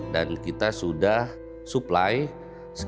dan kita sudah melakukan penanganan outbreak tersebut